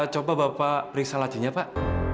coba bapak periksa lajunya pak